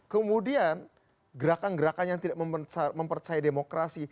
kemudian gerakan gerakan yang tidak mempercaya demokrasi